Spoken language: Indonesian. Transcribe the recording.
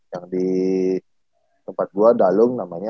yang di tempat dua dalung namanya